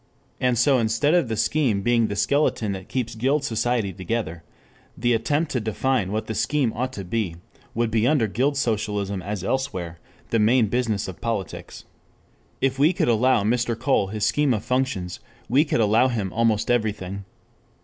And so instead of the scheme being the skeleton that keeps guild society together, the attempt to define what the scheme ought to be, would be under guild socialism as elsewhere, the main business of politics. If we could allow Mr. Cole his scheme of functions we could allow him almost everything.